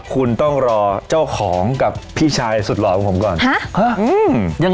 คุณต้องรอเจ้าของกับพี่ชายสุดหล่อของผมก่อน